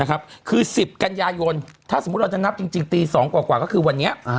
คือ๑๐กันยายนถ้าสมมุติเราจะนับจริงตี๒กว่าก็คือวันนี้